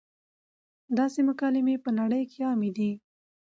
داسې مکالمې پۀ نړۍ کښې عامې دي -